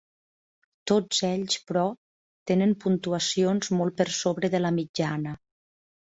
Tots ells, però, tenen puntuacions molt per sobre de la mitjana.